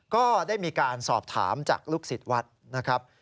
ก็ได้มีการสอบถามจากลูกศิษย์วัดนะครับ